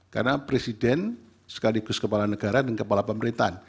karena presiden sekaligus kepala negara dan kepala pemerintahan